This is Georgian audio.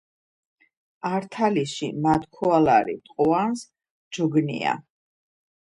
ართალიში მათქუალარი მტყუანს ჯოგჷნია